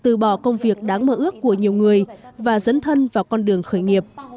vân anh từ bỏ công việc đáng mơ ước của nhiều người và dẫn thân vào con đường khởi nghiệp